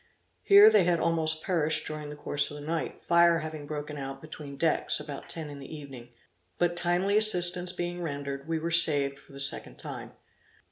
Here they had almost perished during the course of the night, fire having broken out between decks about ten in the evening; but timely assistance being rendered, we were saved for the second time.